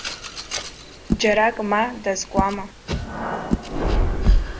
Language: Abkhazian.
Џьарак ма дазкуама.